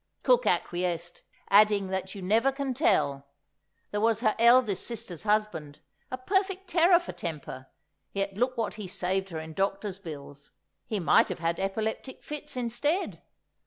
Cook acquiesced, adding that you never can tell! There was her eldest sister's husband, a perfect terror for temper; yet look what he saved her in doctor's bills—he might have had epileptic fits instead!